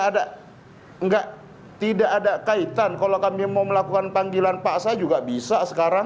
tidak ada tidak ada kaitan kalau kami mau melakukan panggilan pak asah juga bisa sekarang